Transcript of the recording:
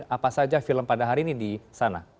apa saja film pada hari ini di sana